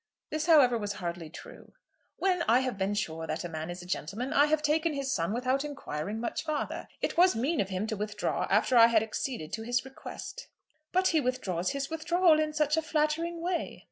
This, however, was hardly true. "When I have been sure that a man is a gentleman, I have taken his son without inquiring much farther. It was mean of him to withdraw after I had acceded to his request." "But he withdraws his withdrawal in such a flattering way!"